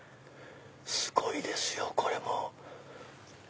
すごいですよこれも。